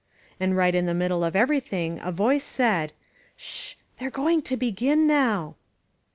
And right in the middle of everything a voice said: "S s sh! They are going to begin now!"